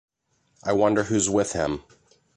I wonder who’s with him.